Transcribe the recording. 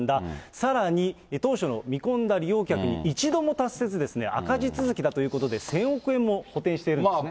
さらに、当初の見込んだ利用客に一度も達せずですね、赤字続きだということで、１０００億円も補填しているんですね。